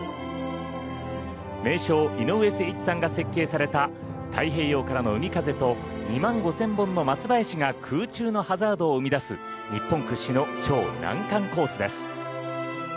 名匠・井上誠一さんが設計された太平洋からの海風と２万５０００本の松林が空中のハザードを生み出す日本屈指の超難関コースです。